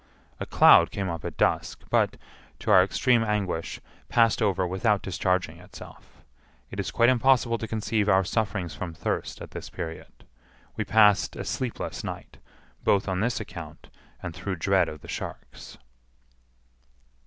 A cloud came up at dusk, but, to our extreme anguish, passed over without discharging itself. It is quite impossible to conceive our sufferings from thirst at this period. We passed a sleepless night, both on this account and through dread of the sharks.